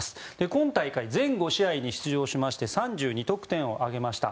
今大会、全５試合に出場しまして３２得点を挙げました。